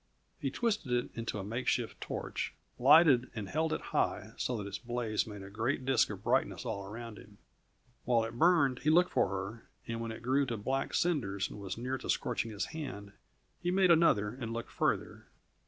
He twisted it into a makeshift torch, lighted and held it high, so that its blaze made a great disk of brightness all around him. While it burned he looked for her, and when it grew to black cinders and was near to scorching his hand, he made another and looked farther.